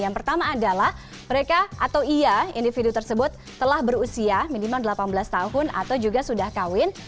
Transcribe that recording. yang pertama adalah mereka atau iya individu tersebut telah berusia minimal delapan belas tahun atau juga sudah kawin